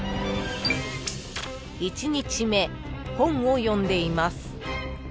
［１日目本を読んでいます］